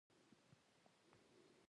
عثمان جان هم ورسره کېناست.